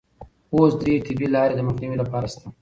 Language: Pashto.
اوس درې طبي لارې د مخنیوي لپاره شته.